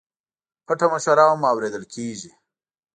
پټه مشوره هم اورېدل کېږي.